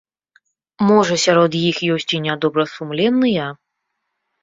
Можа сярод іх ёсць і нядобрасумленныя?